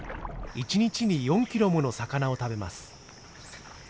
１日に４キロもの魚を食べます。